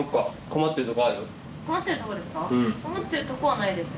困ってるとこはないです。